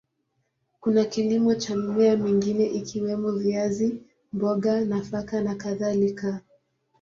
Kuna kilimo cha mimea mingine ikiwemo viazi, mboga, nafaka na kadhalika.